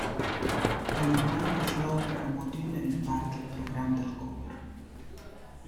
Pel mumaint es l’ouvra amo adüna üna part dal program dal cor.